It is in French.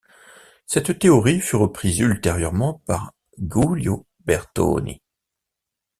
Cette théorie fut reprise ultérieurement par Giulio Bertoni.